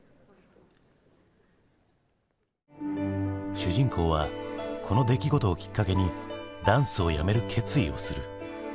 主人公はこの出来事をきっかけにダンスをやめる決意をする。